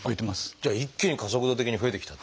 じゃあ一気に加速度的に増えてきた。